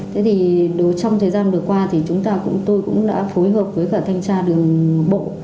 thế thì trong thời gian vừa qua thì chúng ta tôi cũng đã phối hợp với cả thanh tra đường bộ